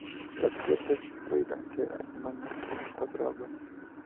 La cubierta, construida entre almenas, tiene cuatro aguas.